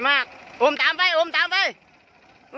หักเทอร์ลัง